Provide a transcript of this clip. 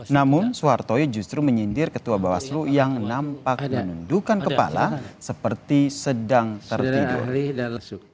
namun soeharto justru menyindir ketua bawaslu yang nampak menundukan kepala seperti sedang tertidur